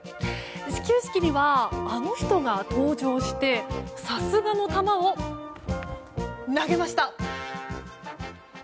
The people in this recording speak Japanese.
始球式には、あの人が登場してさすがの球を投げました！